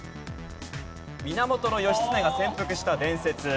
源義経が潜伏した伝説。